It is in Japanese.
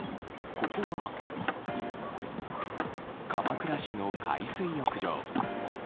ここは、鎌倉市の海水浴場。